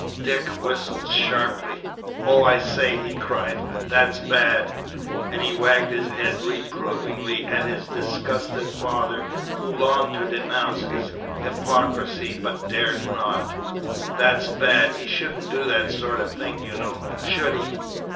Dick whistled sharply: "Oh, I say!" he cried, "that's bad" (and he wagged his head reprovingly at his disgusted father, who longed to denounce his hypocrisy, but dared not); "that's bad ... he shouldn't do that sort of thing you know, should he?